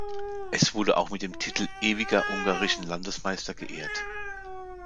Er wurde auch mit dem Titel "Ewiger ungarischen Landesmeister" geehrt.